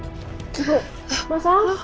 ibu mas al